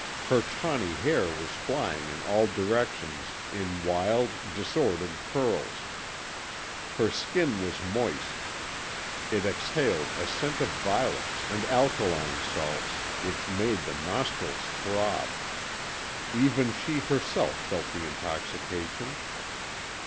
Her tawny hair was flying in all directions in wild disordered curls; her skin was moist, it exhaled a scent of violets and alkaline salts which made the nostrils throb; even she herself felt the intoxication.